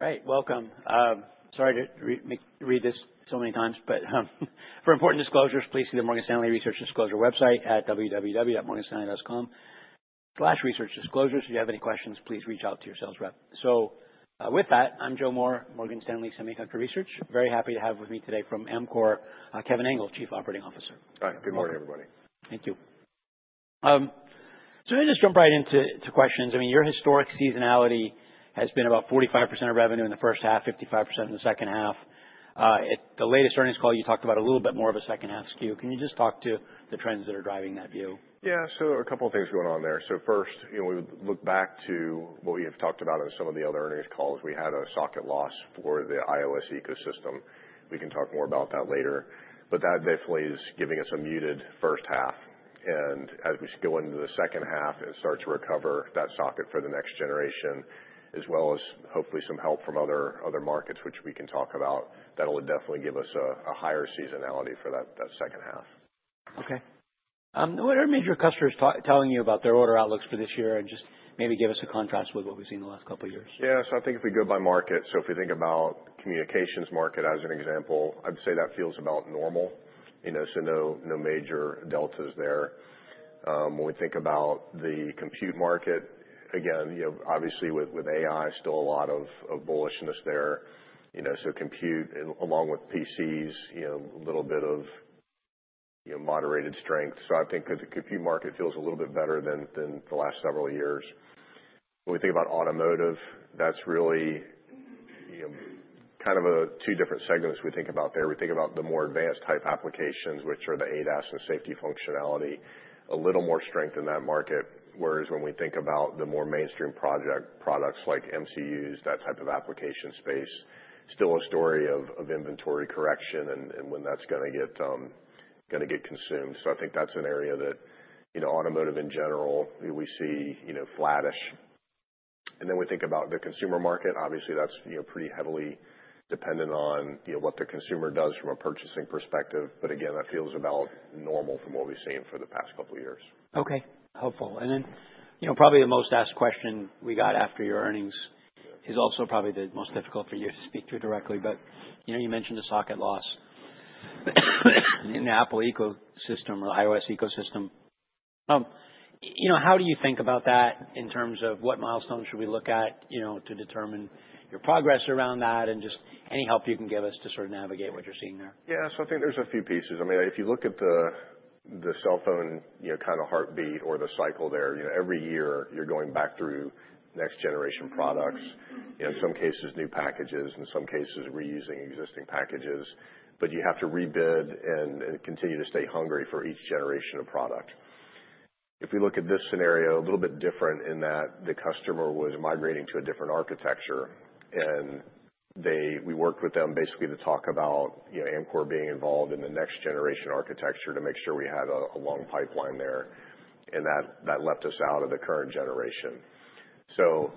Right. Welcome. Sorry to re-read this so many times, but, for important disclosures, please see the Morgan Stanley Research Disclosure website at www.morganstanley.com. slash Research Disclosures. If you have any questions, please reach out to your sales rep. So, with that, I'm Joe Moore, Morgan Stanley Semiconductor Research. Very happy to have with me today from Amkor, Kevin Engel, Chief Operating Officer. All right. Good morning, everybody. Thank you, so let me just jump right into questions. I mean, your historical seasonality has been about 45% of revenue in the first half, 55% in the second half. At the latest earnings call, you talked about a little bit more of a second-half skew. Can you just talk to the trends that are driving that view? Yeah. So a couple of things going on there. So first, you know, we would look back to what we have talked about in some of the other earnings calls. We had a socket loss for the iOS ecosystem. We can talk more about that later. But that definitely is giving us a muted first half. And as we go into the second half and start to recover that socket for the next generation, as well as hopefully some help from other markets, which we can talk about, that'll definitely give us a higher seasonality for that second half. Okay. What are major customers telling you about their order outlooks for this year, and just maybe give us a contrast with what we've seen the last couple of years? Yeah. So I think if we go by market, so if we think about communications market as an example, I'd say that feels about normal, so no major deltas there. When we think about the compute market, again, you know, obviously with AI, still a lot of bullishness there, you know, so compute along with PCs, a little bit of, you know, moderated strength. So I think the compute market feels a little bit better than the last several years. When we think about automotive, that's really, kind of a two different segments we think about there. We think about the more advanced type applications, which are the ADAS and safety functionality, a little more strength in that market. Whereas when we think about the more mainstream project products like MCUs, that type of application space, still a story of inventory correction and when that's going to get consumed. So I think that's an area that automotive in general, we see flattish. And then we think about the consumer market. Obviously, that's, you know, pretty heavily dependent on what the consumer does from a purchasing perspective. But again, that feels about normal from what we've seen for the past couple of years. Okay. Helpful. And then, you know, probably the most asked question we got after your earnings is also probably the most difficult for you to speak to directly. But, you know, you mentioned the socket loss in the Apple ecosystem or iOS ecosystem. You know, how do you think about that in terms of what milestones should we look at to determine your progress around that and just any help you can give us to sort of navigate what you're seeing there? Yeah. So I think there's a few pieces. I mean, if you look at the cell phone, kind of heartbeat or the cycle there, you know, every year you're going back through next-generation products, in some cases new packages, in some cases reusing existing packages. But you have to rebid and continue to stay hungry for each generation of product. If we look at this scenario, a little bit different in that the customer was migrating to a different architecture. And we worked with them basically to talk about Amkor being involved in the next-generation architecture to make sure we had a long pipeline there. And that left us out of the current generation. So,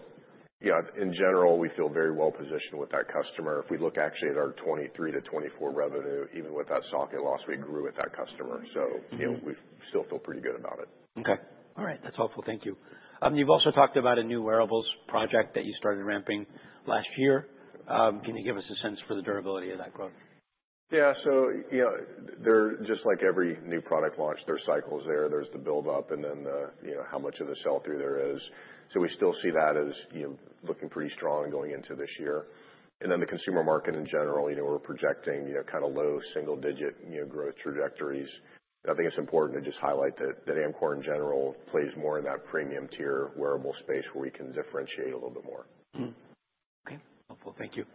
in general, we feel very well-positioned with that customer. If we look actually at our 2023-2024 revenue, even with that socket loss, we grew with that customer. So, you know, we still feel pretty good about it. Okay. All right. That's helpful. Thank you. You've also talked about a new wearables project that you started ramping last year. Can you give us a sense for the durability of that growth? Yeah. So, you know, they're just like every new product launch. There's cycles there. There's the build-up and then the, you know, how much of the sell-through there is. So we still see that as, you know, looking pretty strong going into this year. And then the consumer market in general we're projecting, you know, kind of low single-digit, you know, growth trajectories. And I think it's important to just highlight that that Amkor in general plays more in that premium-tier wearable space where we can differentiate a little bit more. Okay. Helpful. Thank you.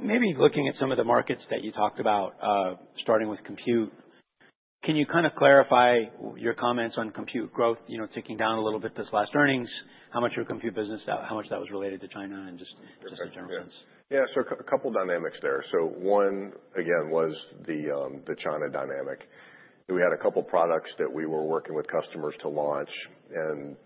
Maybe looking at some of the markets that you talked about, starting with compute, can you kind of clarify your comments on compute growth, you know, ticking down a little bit this last earnings, how much your compute business, how much that was related to China and just in general sense? Yeah. So a couple of dynamics there. So one, again, was the China dynamic. We had a couple of products that we were working with customers to launch. And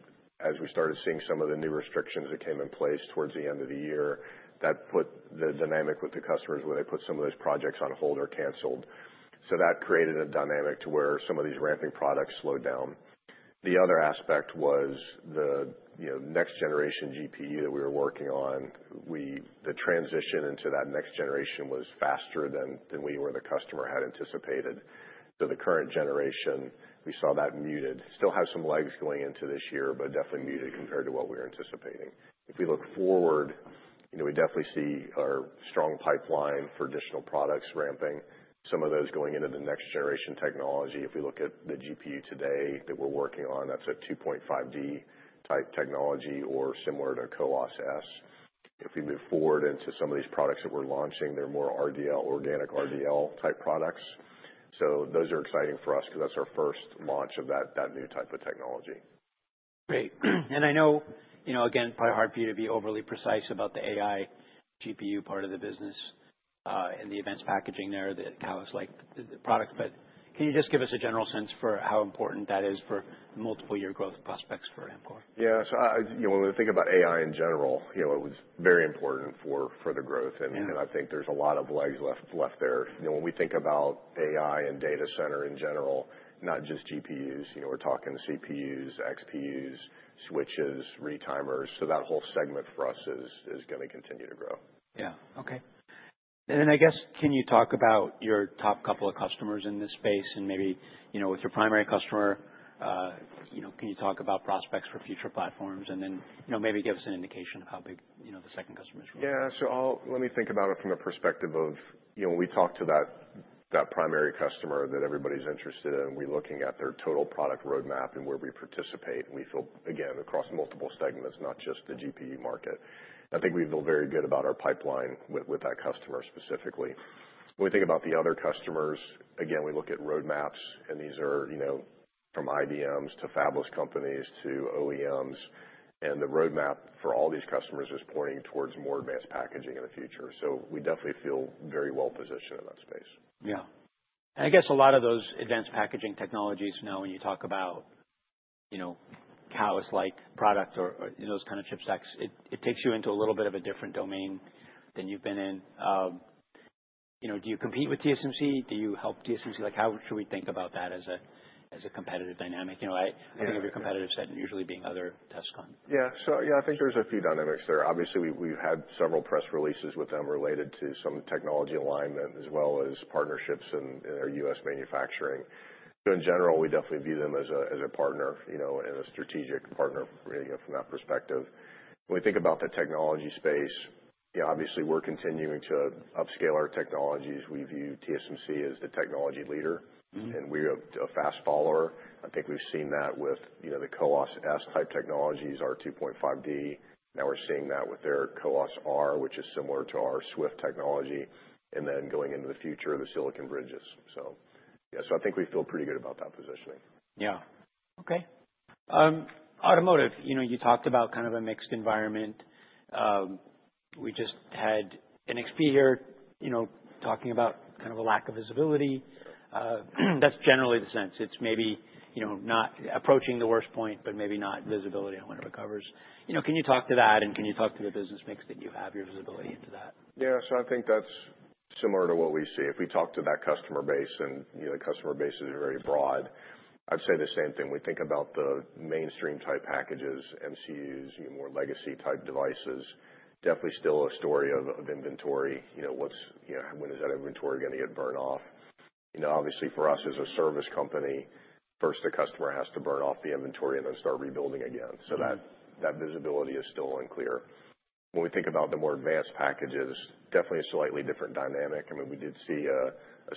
as we started seeing some of the new restrictions that came in place towards the end of the year, that put the dynamic with the customers where they put some of those projects on hold or canceled. So that created a dynamic to where some of these ramping products slowed down. The other aspect was the, you know, next-generation GPU that we were working on. The transition into that next generation was faster than we or the customer had anticipated. So the current generation, we saw that muted. Still have some legs going into this year, but definitely muted compared to what we were anticipating. If we look forward, you know, we definitely see our strong pipeline for additional products ramping, some of those going into the next-generation technology. If we look at the GPU today that we're working on, that's a 2.5D type technology or similar to CoWoS-S. If we move forward into some of these products that we're launching, they're more RDL, organic RDL type products. So those are exciting for us because that's our first launch of that new type of technology. Great. And I know, you know, again, probably hard for you to be overly precise about the AI GPU part of the business, and the advanced packaging there that kind of was like the product. But can you just give us a general sense for how important that is for multiple-year growth prospects for Amkor? Yeah. So I, you know, when we think about AI in general, you know, it was very important for the growth. And I think there's a lot of legs left there. You know, when we think about AI and data center in general, not just GPUs, you know, we're talking CPUs, XPUs, switches, retimers. So that whole segment for us is going to continue to grow. Yeah. Okay. And then I guess, can you talk about your top couple of customers in this space and maybe, you know, with your primary customer, you know, can you talk about prospects for future platforms and then, you know, maybe give us an indication of how big, you know, the second customer's growth? Yeah. So I'll let me think about it from the perspective of, you know, when we talk to that primary customer that everybody's interested in, we're looking at their total product roadmap and where we participate. And we feel, again, across multiple segments, not just the GPU market. I think we feel very good about our pipeline with that customer specifically. When we think about the other customers, again, we look at roadmaps. And these are, you know, from IDMs to fabless companies to OEMs. And the roadmap for all these customers is pointing towards more advanced packaging in the future. So we definitely feel very well-positioned in that space. Yeah. And I guess a lot of those advanced packaging technologies now, when you talk about, you know, CoWoS-like product or, you know, those kind of chip stacks, it takes you into a little bit of a different domain than you've been in. You know, do you compete with TSMC? Do you help TSMC? Like, how should we think about that as a competitive dynamic? You know, I think of your competitive set usually being other OSATs. Yeah. So yeah, I think there's a few dynamics there. Obviously, we've had several press releases with them related to some technology alignment as well as partnerships in our U.S. manufacturing. So in general, we definitely view them as a partner and a strategic partner, you know, from that perspective. When we think about the technology space, you know, obviously, we're continuing to upscale our technologies. We view TSMC as the technology leader. And we're a fast follower. I think we've seen that with, the CoWoS-S type technologies, our 2.5D. Now we're seeing that with their CoWoS-R, which is similar to our SWIFT technology. And then going into the future, the silicon bridges. So yeah, so I think we feel pretty good about that positioning. Yeah. Okay. Automotive, you talked about kind of a mixed environment. We just had NXP here, talking about kind of a lack of visibility. That's generally the sense. It's maybe, not approaching the worst point, but maybe not visibility on when it recovers. You know, can you talk to that? And can you talk to the business mix that you have your visibility into that? Yeah. So I think that's similar to what we see. If we talk to that customer base and, you know, the customer base is very broad, I'd say the same thing. We think about the mainstream type packages, MCUs, you know, more legacy type devices. Definitely still a story of inventory. You know, what's, when is that inventory going to get burned off? You know, obviously, for us as a service company, first the customer has to burn off the inventory and then start rebuilding again. So that visibility is still unclear. When we think about the more advanced packages, definitely a slightly different dynamic. I mean, we did see a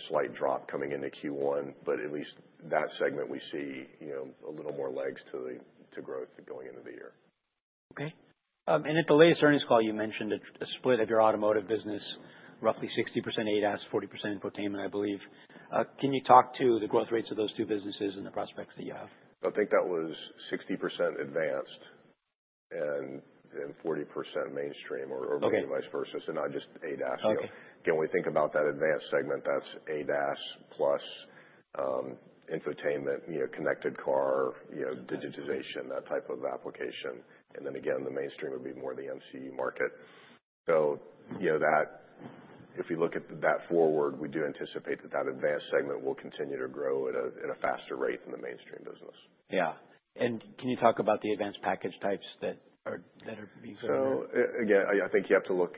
slight drop coming into Q1, but at least that segment we see, you know, a little more legs to the growth going into the year. Okay. And at the latest earnings call, you mentioned a split of your Automotive business, roughly 60% ADAS, 40% infotainment, I believe. Can you talk to the growth rates of those two businesses and the prospects that you have? I think that was 60% advanced and 40% mainstream or. Okay. Vice versa. So not just ADAS, you know. Okay. Again, when we think about that Advanced segment, that's ADAS plus, infotainment, you know, connected car, digitization, that type of application. And then again, the mainstream would be more the MCU market. So, you know, if we look forward, we do anticipate that Advanced segment will continue to grow at a faster rate than the mainstream business. Yeah, and can you talk about the advanced package types that are being sold? So again, I think you have to look.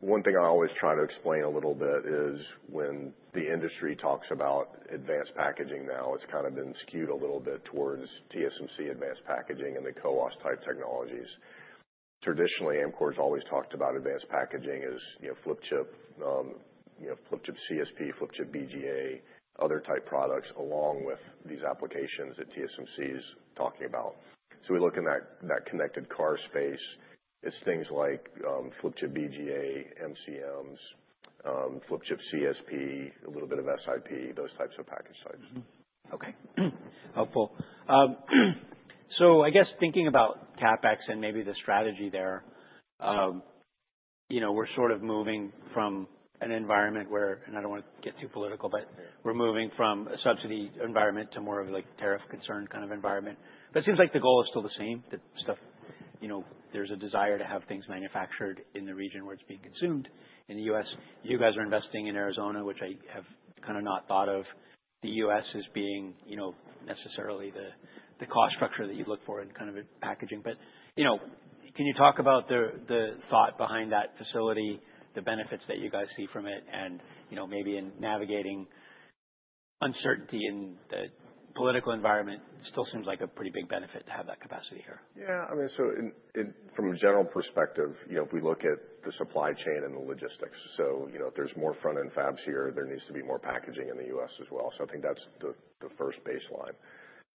One thing I always try to explain a little bit is when the industry talks about advanced packaging now, it's kind of been skewed a little bit towards TSMC advanced packaging and the CoWoS-type technologies. Traditionally, Amkor has always talked about advanced packaging as, you know, flip chip, you know, flip chip CSP, flip chip BGA, other type products along with these applications that TSMC is talking about. So we look in that connected car space. It's things like, flip chip BGA, MCMs, flip chip CSP, a little bit of SIP, those types of package types. Okay. Helpful. So I guess thinking about CapEx and maybe the strategy there, we're sort of moving from an environment where and I don't want to get too political, but we're moving from a subsidy environment to more of like tariff-concerned kind of environment. But it seems like the goal is still the same, that stuff, you know, there's a desire to have things manufactured in the region where it's being consumed in the U.S. You guys are investing in Arizona, which I have kind of not thought of. The U.S. is being, you know, necessarily the cost structure that you look for in kind of packaging. But, you know, can you talk about the thought behind that facility, the benefits that you guys see from it, and maybe in navigating uncertainty in the political environment, still seems like a pretty big benefit to have that capacity here? Yeah. I mean, so in from a general perspective, you know, if we look at the supply chain and the logistics, so, you know, if there's more front-end fabs here, there needs to be more packaging in the U.S. as well. So I think that's the first baseline.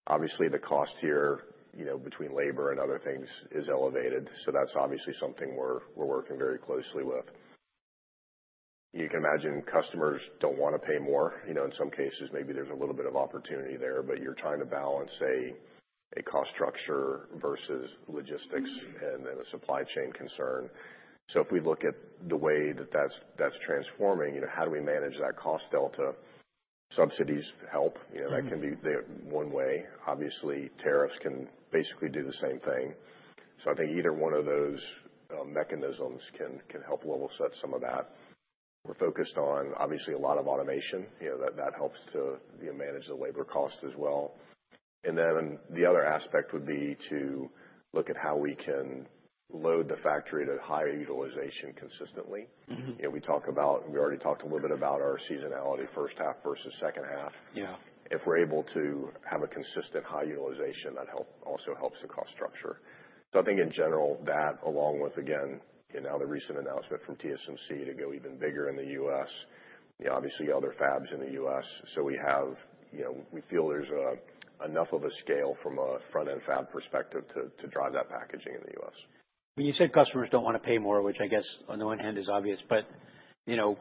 Obviously, the cost here, you know, between labor and other things is elevated. So that's obviously something we're working very closely with. You can imagine customers don't want to pay more. You know, in some cases, maybe there's a little bit of opportunity there, but you're trying to balance a cost structure versus logistics and then a supply chain concern. So if we look at the way that, that's transforming how do we manage that cost delta? Subsidies help. You know, that can be the one way. Obviously, tariffs can basically do the same thing. So I think either one of those mechanisms can help level set some of that. We're focused on, obviously, a lot of automation. You know, that helps to manage the labor cost as well. And then the other aspect would be to look at how we can load the factory to high utilization consistently. You know, we already talked a little bit about our seasonality, first half versus second half. Yeah. If we're able to have a consistent high utilization, that also helps the cost structure. So I think in general, that along with, again, you know, the recent announcement from TSMC to go even bigger in the U.S., you know, obviously other fabs in the U.S. So we have, you know, we feel there's enough of a scale from a front-end fab perspective to drive that packaging in the U.S. When you said customers don't want to pay more, which I guess on the one hand is obvious, but, you know,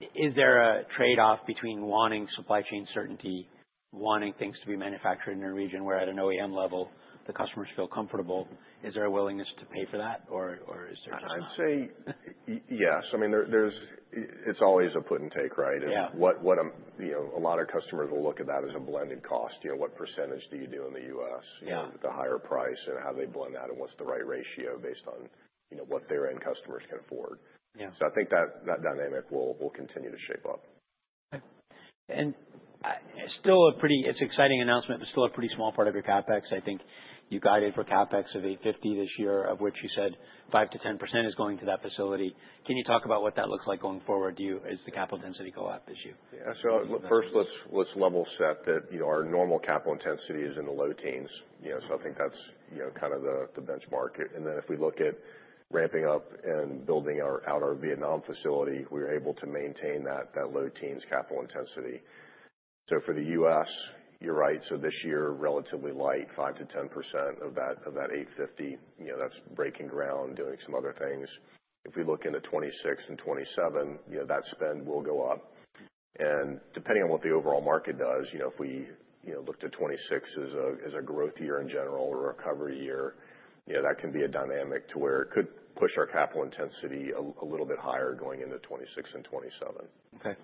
is there a trade-off between wanting supply chain certainty, wanting things to be manufactured in a region where at an OEM level the customers feel comfortable? Is there a willingness to pay for that or is there just a? I'd say yes. I mean, it's always a put and take, right? Yeah. And what I'm, you know, a lot of customers will look at that as a blended cost. You know, what percentage do you do in the U.S.? Yeah. You know, the higher price and how they blend that and what's the right ratio based on, you know, what their end customers can afford. Yeah. I think that dynamic will continue to shape up. Okay. And it's still a pretty exciting announcement, but still a pretty small part of your CapEx. I think you guided for CapEx of $850 million this year, of which you said 5%-10% is going to that facility. Can you talk about what that looks like going forward? Is the capital density going up an issue? Yeah. So first, let's level set that our normal capital intensity is in the low teens. You know, so I think that's, you know, kind of the benchmark. And then if we look at ramping up and building our Vietnam facility, we're able to maintain that low teens capital intensity. So for the U.S., you're right. So this year, relatively light, 5%-10% of that 850, you know, that's breaking ground, doing some other things. If we look into 2026 and 2027, you know, that spend will go up. Depending on what the overall market does, you know, if we, look to 2026 as a growth year in general or a recovery year that can be a dynamic to where it could push our capital intensity a little bit higher going into 2026 and 2027. Okay.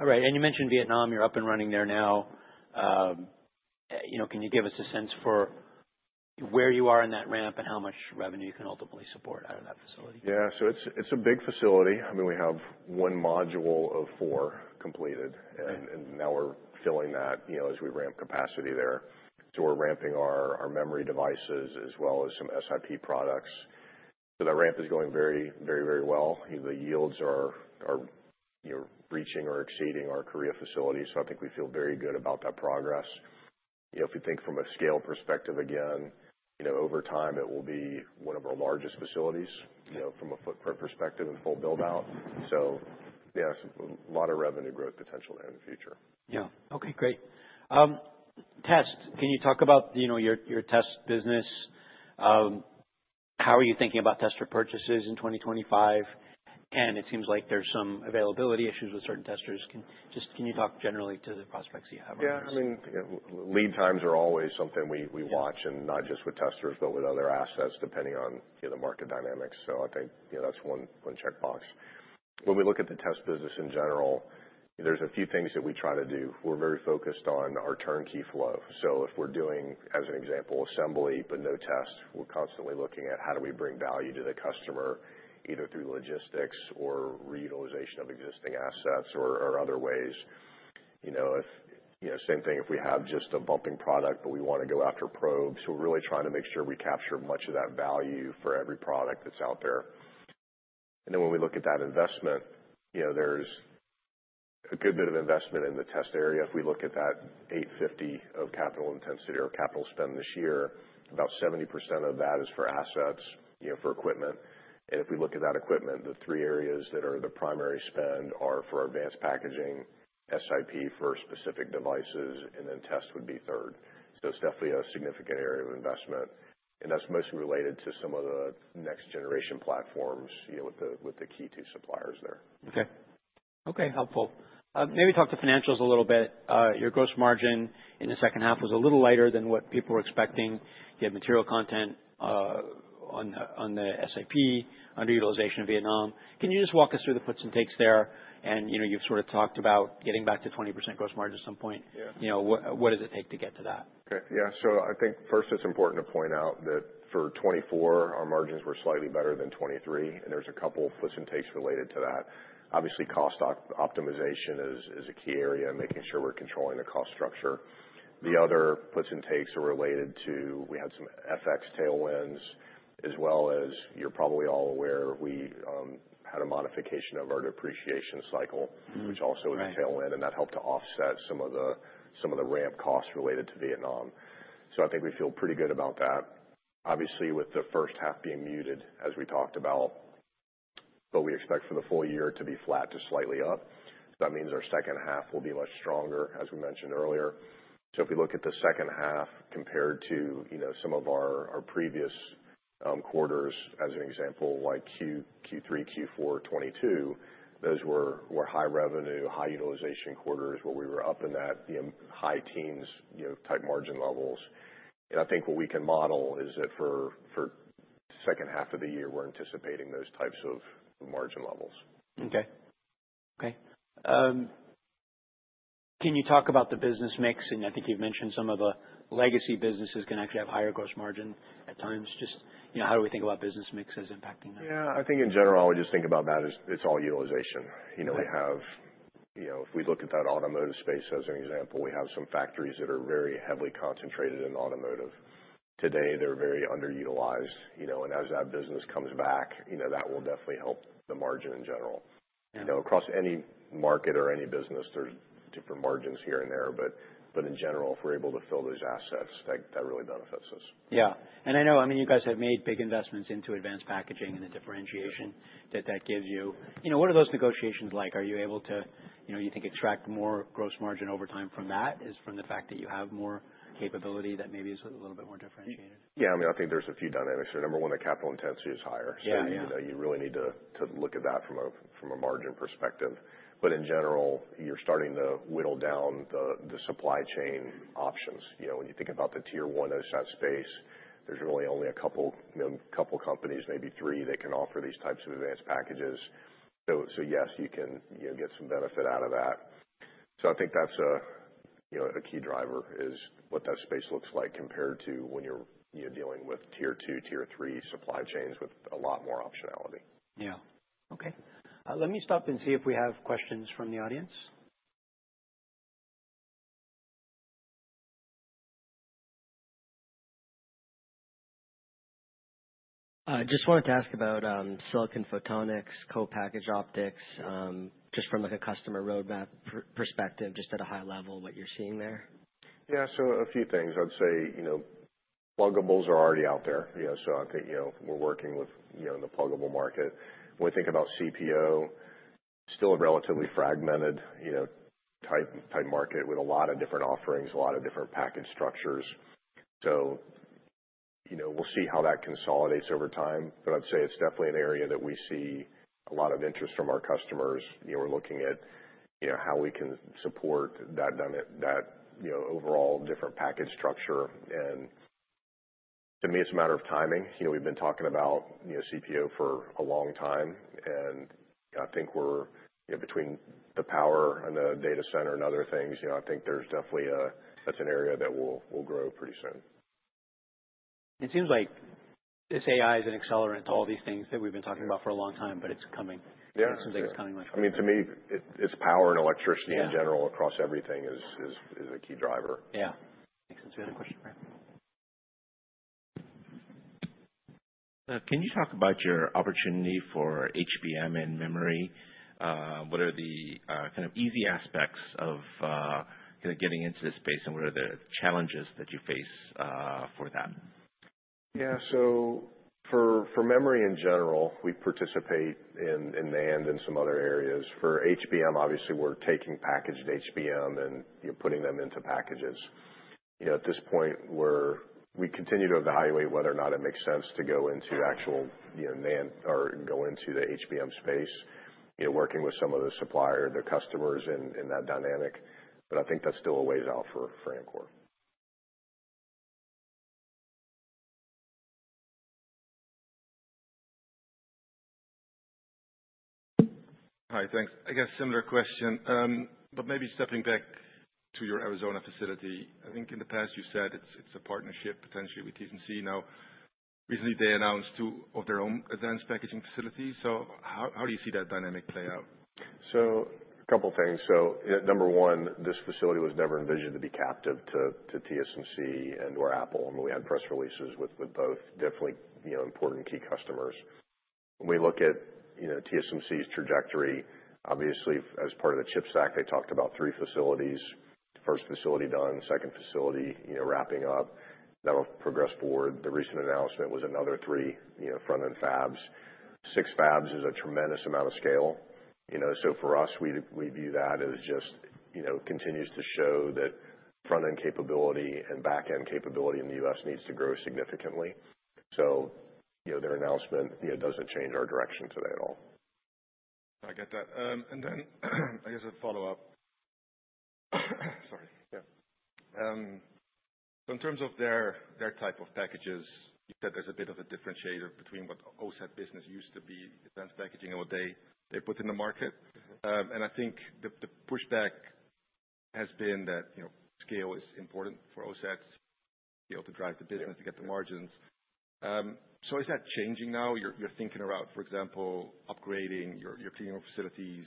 All right. And you mentioned Vietnam. You're up and running there now, can you give us a sense for where you are in that ramp and how much revenue you can ultimately support out of that facility? Yeah. So it's a big facility. I mean, we have one module of four completed. And now we're filling that, you know, as we ramp capacity there. So we're ramping our memory devices as well as some SIP products. So that ramp is going very, very, very well. The yields are, you know, reaching or exceeding our Korea facility. So I think we feel very good about that progress. You know, if we think from a scale perspective, again over time, it will be one of our largest facilities, you know, from a footprint perspective and full build-out. So yeah, a lot of revenue growth potential there in the future. Yeah. Okay. Great. Test, can you talk about, you know, your test business? How are you thinking about tester purchases in 2025? And it seems like there's some availability issues with certain testers. Can you talk generally to the prospects you have around this? Yeah. I mean, lead times are always something we watch and not just with testers, but with other assets depending on, you know, the market dynamics. So I think, you know, that's one checkbox. When we look at the test business in general, there's a few things that we try to do. We're very focused on our turnkey flow. So if we're doing, as an example, assembly but no test, we're constantly looking at how do we bring value to the customer either through logistics or reutilization of existing assets or other ways. You know, if, you know, same thing if we have just a bumping product, but we want to go after probes. So we're really trying to make sure we capture much of that value for every product that's out there. Then when we look at that investment there's a good bit of investment in the test area. If we look at that $850 of capital intensity or capital spend this year, about 70% of that is for assets, you know, for equipment. And if we look at that equipment, the three areas that are the primary spend are for advanced packaging, SIP for specific devices, and then test would be third. So it's definitely a significant area of investment. And that's mostly related to some of the next-generation platforms, you know, with the key two suppliers there. Okay. Helpful, maybe talk to the financials a little bit. Your gross margin in the second half was a little lighter than what people were expecting. You had material content on the SIP, underutilization in Vietnam. Can you just walk us through the puts and takes there? And, you know, you've sort of talked about getting back to 20% gross margin at some point. Yeah. You know, what does it take to get to that? Okay. Yeah. So I think first, it's important to point out that for 2024, our margins were slightly better than 2023. And there's a couple of puts and takes related to that. Obviously, cost optimization is a key area, and making sure we're controlling the cost structure. The other puts and takes are related to we had some FX tailwinds as well as you're probably all aware, we had a modification of our depreciation cycle. Which also was a tailwind. And that helped to offset some of the ramp costs related to Vietnam. So I think we feel pretty good about that. Obviously, with the first half being muted, as we talked about, but we expect for the full year to be flat to slightly up. So that means our second half will be much stronger, as we mentioned earlier. So if we look at the second half compared to, you know, some of our previous quarters, as an example, like Q3, Q4, 2022, those were high revenue, high utilization quarters where we were up in that, you know, high teens, type margin levels. And I think what we can model is that for the second half of the year, we're anticipating those types of margin levels. Okay. Can you talk about the business mix? And I think you've mentioned some of the legacy businesses can actually have higher gross margin at times. Just, how do we think about business mix as impacting that? Yeah. I think in general, we just think about that as it's all utilization. You know, we have, you know, if we look at that automotive space, as an example, we have some factories that are very heavily concentrated in automotive. Today, they're very underutilized, you know. And as that business comes back, you know, that will definitely help the margin in general. You know, across any market or any business, there's different margins here and there. But in general, if we're able to fill those assets, that really benefits us. Yeah, and I know, I mean, you guys have made big investments into advanced packaging and the differentiation that that gives you. You know, what are those negotiations like? Are you able to, you know, you think extract more gross margin over time from that is from the fact that you have more capability that maybe is a little bit more differentiated? Yeah. I mean, I think there's a few dynamics there. Number one, the capital intensity is higher. So, you know, you really need to look at that from a margin perspective. But in general, you're starting to whittle down the supply chain options. You know, when you think about the tier one OSAT space, there's really only a couple companies, maybe three, that can offer these types of advanced packages. So yes, you can, you know, get some benefit out of that. So I think that's a key driver is what that space looks like compared to when you're, you know, dealing with tier two, tier three supply chains with a lot more optionality. Yeah. Okay. Let me stop and see if we have questions from the audience. Just wanted to ask about Silicon Photonics, Co-Packaged Optics, just from like a customer roadmap perspective, just at a high level, what you're seeing there. Yeah. So a few things. I'd say, you know, pluggables are already out there. You know, so I think we're working with the pluggable market. When we think about CPO, still a relatively fragmented type market with a lot of different offerings, a lot of different package structures. So, we'll see how that consolidates over time. But I'd say it's definitely an area that we see a lot of interest from our customers. You know, we're looking at how we can support that, you know, overall different package structure. And to me, it's a matter of timing. You know, we've been talking about CPO for a long time. I think we're between the power and the data center and other things, you know. I think there's definitely, that's an area that will grow pretty soon. It seems like this AI is an accelerant to all these things that we've been talking about for a long time, but it's coming. Yeah. It seems like it's coming much faster. I mean, to me, it's power and electricity in general across everything is a key driver. Yeah. Makes sense. We had a question for him. Can you talk about your opportunity for HBM and memory? What are the, kind of easy aspects of, kind of getting into this space and what are the challenges that you face for that? Yeah. So for memory in general, we participate in NAND and some other areas. For HBM, obviously, we're taking packaged HBM and putting them into packages. You know, at this point, we continue to evaluate whether or not it makes sense to go into actual, you know, NAND or go into the HBM space working with some of the suppliers and their customers in that dynamic. But I think that's still a ways out for Amkor. Hi. Thanks. I guess similar question, but maybe stepping back to your Arizona facility. I think in the past you said it's a partnership potentially with TSMC. Now, recently, they announced two of their own advanced packaging facilities. So how do you see that dynamic play out? A couple things. Number one, this facility was never envisioned to be captive to TSMC and/or Apple. We had press releases with both. Definitely, you know, important key customers. When we look at TSMC's trajectory, obviously, as part of the CHIPS Act, they talked about three facilities: first facility done, second facility wrapping up. That'll progress forward. The recent announcement was another three, you know, front-end fabs. Six fabs is a tremendous amount of scale. You know, so for us, we view that as just continues to show that front-end capability and back-end capability in the U.S. needs to grow significantly. So their announcement, you know, doesn't change our direction today at all. I get that, and then I guess a follow-up. Sorry. Yeah. So in terms of their type of packages, you said there's a bit of a differentiator between what OSAT business used to be, advanced packaging, and what they put in the market. And I think the pushback has been that, you know, scale is important for OSAT to be able to drive the business, to get the margins. Yeah. So is that changing now? You're thinking about, for example, upgrading your cleaning facilities.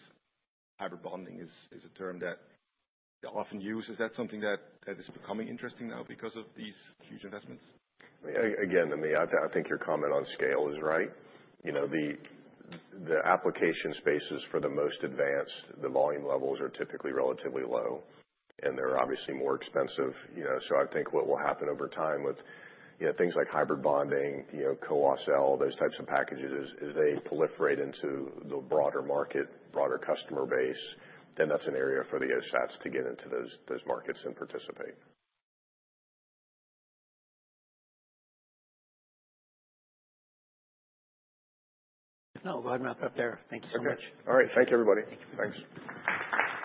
Hybrid bonding is a term that they'll often use. Is that something that is becoming interesting now because of these huge investments? I mean, again, I mean, I think your comment on scale is right. You know, the application spaces for the most advanced, the volume levels are typically relatively low. And they're obviously more expensive. You know, so I think what will happen over time with, you know, things like hybrid bonding, CoWoS, those types of packages is as they proliferate into the broader market, broader customer base, then that's an area for the OSATs to get into those markets and participate. Oh, good. I'll wrap it up there. Thank you so much. Okay. All right. Thank you, everybody. Thank you for coming. Thanks.